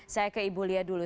saya ke ibu lia dulu